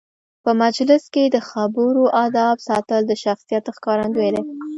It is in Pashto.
په مجلس کې د خبرو آدب ساتل د شخصیت ښکارندوی دی.